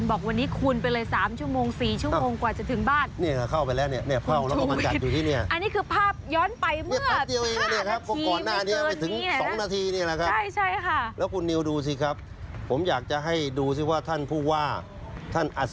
โอ้โหต้องรอค่ะหลายคนบอกว่า